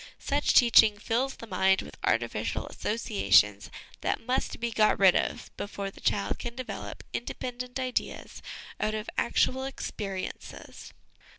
Such teaching fills the mind with artificial associations that must be got rid of before the child can develop independent ideas out of actual ex periences."